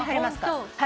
はい。